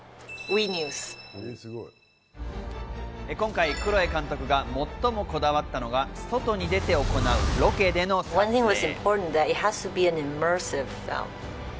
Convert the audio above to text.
今回、クロエ監督が最もこだわったのが外に出て行うロケでの撮影。